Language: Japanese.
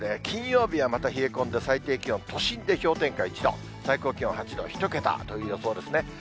金曜日はまた冷え込んで最低気温、都心で氷点下１度、最高気温８度、１桁という予想ですね。